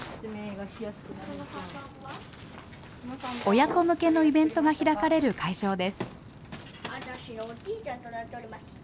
親子向けのイベントが開かれる会場です。